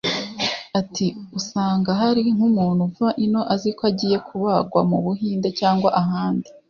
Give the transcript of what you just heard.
Ati “ Usanga hari nk’umuntu uva ino azi ko agiye kubagwa mu Buhinde cyangwa ahandi